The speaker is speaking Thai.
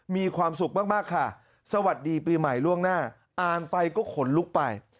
มีความสุขมากค่ะสวัสดีปีใหม่ล่วงหน้าอ่านไปก็ขนลุกไป